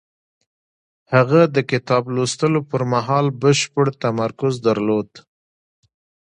هغه د کتاب لوستلو پر مهال بشپړ تمرکز درلود.